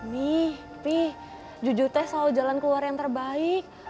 nih jujur teh selalu jalan keluar yang terbaik